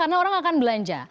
karena orang akan belanja